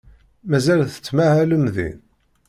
Mazal tettmahalem din?